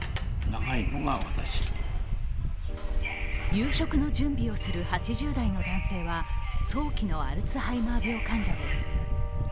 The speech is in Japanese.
夕食の準備をする８０代の男性は早期のアルツハイマー病患者です。